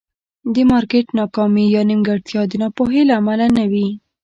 د مارکېټ ناکامي یا نیمګړتیا د ناپوهۍ له امله نه وي.